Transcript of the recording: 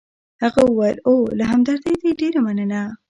هغه وویل: اوه، له همدردۍ دي ډېره مننه.